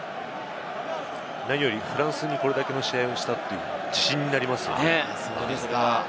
何よりフランスにこれだけの試合をしたという自信になりますね。